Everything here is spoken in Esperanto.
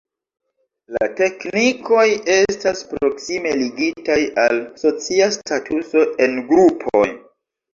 La teknikoj estas proksime ligitaj al socia statuso en grupoj.